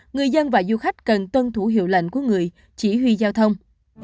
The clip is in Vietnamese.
người dân và du khách cần tuân thủ hiệu lệnh của người chỉ huy giao thông